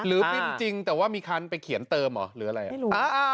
หรือบินจริงแต่ว่ามีคารไปเขียนเติมหรืออะไร